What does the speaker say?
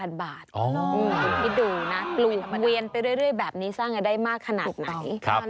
คุณคิดดูนะปลูกเวียนไปเรื่อยแบบนี้สร้างกันได้มากขนาดไหน